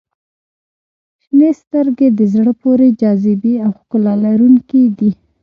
• شنې سترګې د زړه پورې جاذبې او ښکلا لرونکي دي.